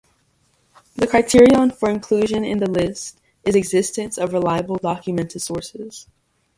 The criterion for inclusion in the list is existence of reliable documented sources.